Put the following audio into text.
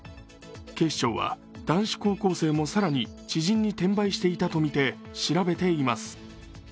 警視庁は、男子高校生も更に知人に転売していたとみて調べています。